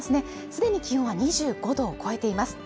すでに気温は２５度を超えています